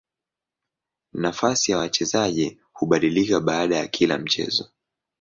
Nafasi ya wachezaji hubadilika baada ya kila mchezo.